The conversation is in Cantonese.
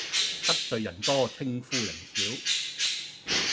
得罪人多稱呼人少